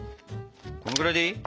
このぐらいでいい？